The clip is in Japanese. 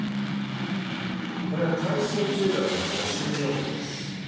これは開成中学の募集要項です。